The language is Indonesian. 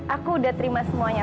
aku udah terima semuanya